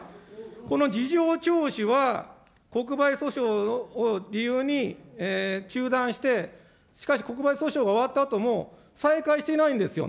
この事情聴取は国賠訴訟を理由に中断して、しかし国賠訴訟が終わったあとも、再開してないんですよ。